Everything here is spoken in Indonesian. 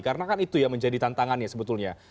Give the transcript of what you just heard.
karena kan itu yang menjadi tantangannya sebetulnya